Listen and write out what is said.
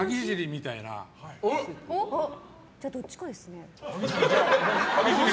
じゃあ、どっちかですね。